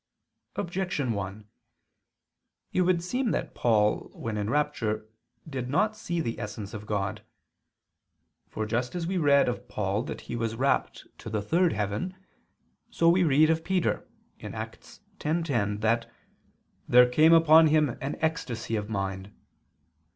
Objection 1: It would seem that Paul, when in rapture, did not see the essence of God. For just as we read of Paul that he was rapt to the third heaven, so we read of Peter (Acts 10:10) that "there came upon him an ecstasy of mind."